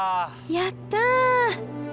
やった！